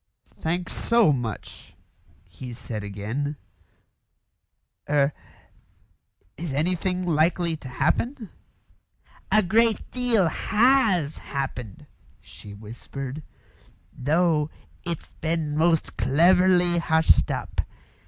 "Thanks so much," he said again. "Er is anything likely to happen?" "A great deal has happened," she whispered, "though it's been most cleverly hushed up.